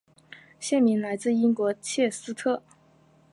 县名来自英国切斯特。